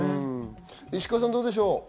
石川さん、どうでしょう。